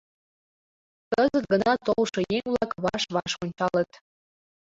Кызыт гына толшо еҥ-влак ваш-ваш ончалыт.